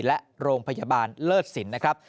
และโรงพยาบาลเลิศสินนะครับ